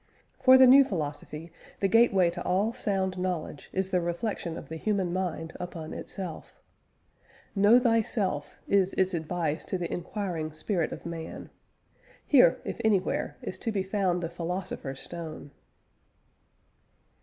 For the new philosophy, the gateway to all sound knowledge is the reflection of the human mind upon itself. "Know thyself," is its advice to the inquiring spirit of man. Here, if anywhere, is to be found the philosopher's stone.